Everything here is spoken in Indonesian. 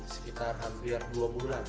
sekitar hampir dua bulan